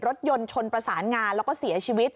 รถยนต์ชนประสานงานแล้วก็เสียชีวิต